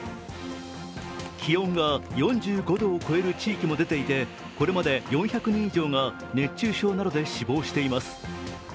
気温が４５度を超える地域も出ていてこれまで４００人以上が熱中症などで死亡しています。